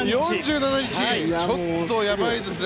ちょっとやばいですね